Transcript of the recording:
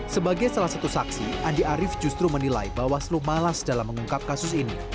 sebagai salah satu saksi andi arief justru menilai bawaslu malas dalam mengungkap kasus ini